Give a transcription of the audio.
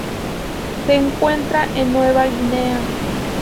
Se encuentra en Nueva Guinea.